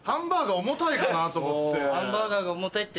ハンバーガーが重たいって？